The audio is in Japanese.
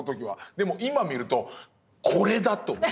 でも今見るとこれだ！と思う。